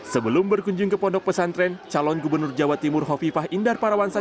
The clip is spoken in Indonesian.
sebelum berkunjung ke pondok pesantren calon gubernur jawa timur hovifah indar parawansa